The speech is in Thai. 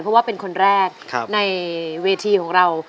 เพราะว่าเป็นคนแรกในเวทีของเรา